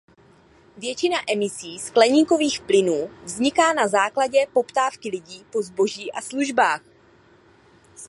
Většina emisí skleníkových plynů vzniká na základě poptávky lidí po zboží a službách.